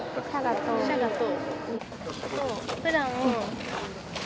シャガと。